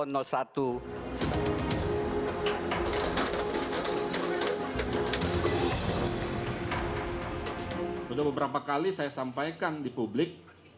sudah beberapa kali saya sampaikan di publik